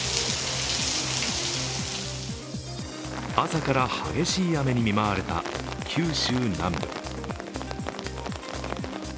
朝から激しい雨に見舞われた九州南部。